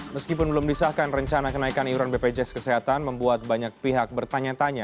meskipun belum disahkan rencana kenaikan iuran bpjs kesehatan membuat banyak pihak bertanya tanya